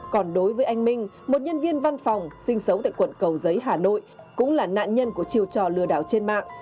còn đối với anh minh một nhân viên văn phòng sinh sống tại quận cầu giấy hà nội cũng là nạn nhân của chiều trò lừa đảo trên mạng